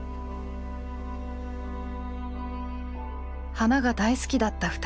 花が大好きだった２人。